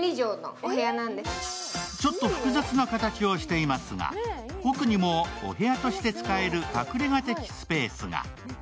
ちょっと複雑な形をしていますが奥にもお部屋として使える隠れ家的スペースが。